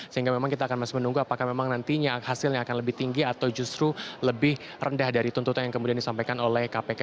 sehingga memang kita akan masih menunggu apakah memang nantinya hasilnya akan lebih tinggi atau justru lebih rendah dari tuntutan yang kemudian disampaikan oleh kpk